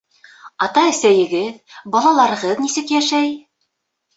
Ата-әсәйегеҙ, балаларығыҙ нисек йәшәй?